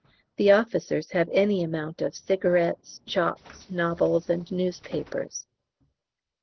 The officers have any amount of cigarettes, chocs., novels, and newspapers.